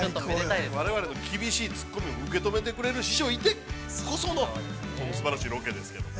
◆我々の厳しいツッコミを受け止めてくれる師匠いてこそのすばらしいロケですけど。